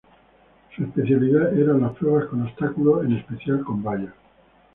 Su especialidad eran las pruebas con obstáculos, en especial con vallas.